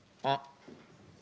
あっ。